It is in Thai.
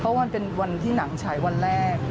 เพราะมันเป็นวันที่หนังฉายวันแรก